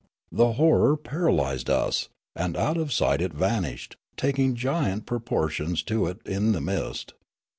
The horror paralysed us, and out of sight it vanished, taking giant proportions to it in the mist.